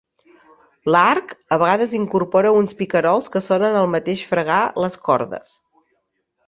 L'arc, a vegades incorpora uns picarols que sonen el mateix fregar les cordes.